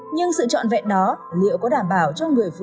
nhưng sự trọn vẹn đó liệu có đảm bảo cho người phụ nữ